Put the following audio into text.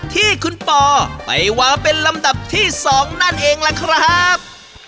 ที่คุณปอไปวางเป็นลำดับที่๒นั่นเองล่ะครับ